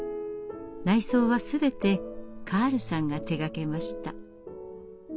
内装は全てカールさんが手がけました。